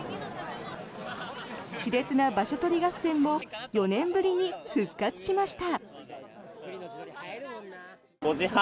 熾烈な場所取り合戦も４年ぶりに復活しました。